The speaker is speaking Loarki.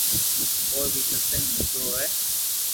او بي ستسنگ ھوڻتو ھوئي